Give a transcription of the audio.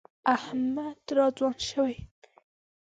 احمد را ځوان شوی دی.